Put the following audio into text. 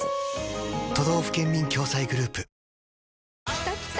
きたきた！